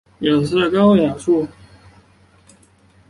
柳词的高雅处则受历来文学评论家赞不绝口。